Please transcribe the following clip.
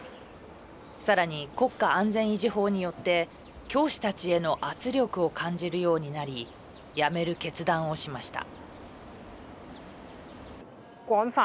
さらに、国家安全維持法によって教師たちへの圧力を感じるようになり辞める決断をしました。